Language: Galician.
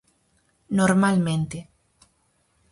Normalmente.